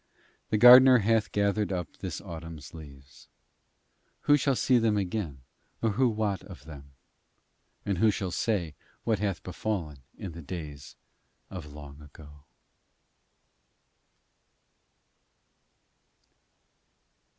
The gardener hath gathered up this autumn's leaves. Who shall see them again, or who wot of them? And who shall say what hath befallen in the days of long ago?